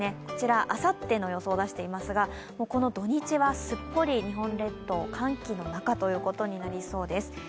こちら、あさっての予想を出していますが、土日はすっぽり日本列島、寒気の中となりそうです